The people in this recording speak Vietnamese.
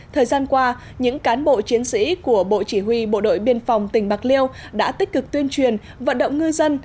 thời gian qua những cán bộ chiến sĩ của bộ chỉ huy bộ đội biên phòng tỉnh bạc liêu đã tích cực tuyên truyền vận động ngư dân